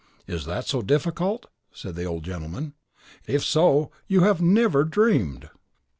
"Is that so difficult?" said the old gentleman; "if so, you have never dreamed!"